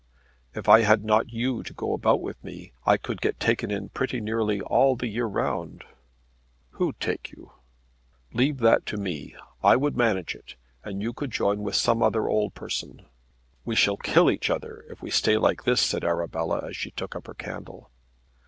"If I had not you to go about with me I could get taken in pretty nearly all the year round." "Who'd take you?" "Leave that to me. I would manage it, and you could join with some other old person. We shall kill each other if we stay like this," said Arabella as she took up her candle.